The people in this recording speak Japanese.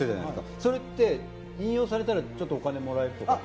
それって引用されたらちょっとお金もらえるとかって。